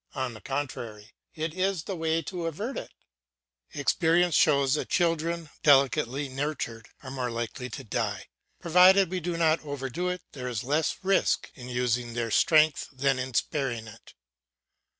On the contrary, it is the way to avert it; experience shows that children delicately nurtured are more likely to die. Provided we do not overdo it, there is less risk in using their strength than in sparing it.